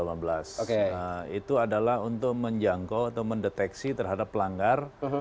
nah itu adalah untuk menjangkau atau mendeteksi terhadap pelanggar